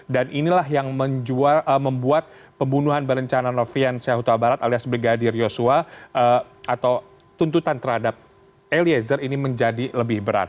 dan inilah yang membuat pembunuhan berencana noviensyahutabarat alias brigadir yosua atau tuntutan terhadap eliezer ini menjadi lebih berat